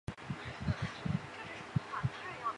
富勒其后表示自己为戈梅兹创作了一些素材。